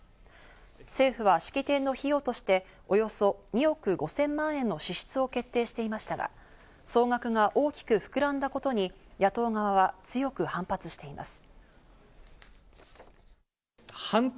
政府は式典の費用として、およそ２億５０００万円の支出を決定していましたが、総額が大きく膨らんだことに野党側は強く反発しています。